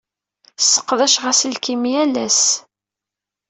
Sseqdaceɣ aselkim yal ass.